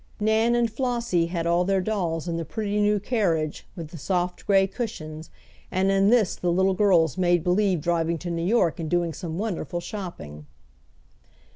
Nan and Flossie had all their dolls in the pretty new carriage with the soft gray cushions, and in this the little girls made believe driving to New York and doing some wonderful shopping.